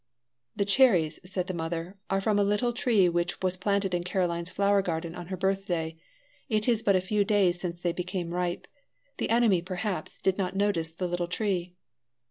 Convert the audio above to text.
"The cherries," said the mother, "are from a little tree which was planted in Caroline's flower garden on her birthday. It is but a few days since they became ripe; the enemy, perhaps, did not notice the little tree."